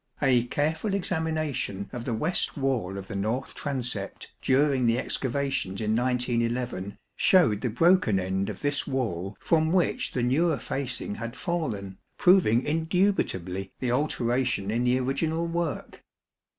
A careful examination of the west wall of the north transept during the excavations in 1911 showed the broken end of this wall from which the newer facing had fallen, proving indubitably the alteration in the original work.